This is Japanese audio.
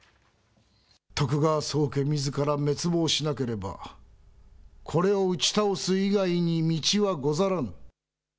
徳川宗家みずから滅亡しなければ、これを打ち倒す以外に道はござらん。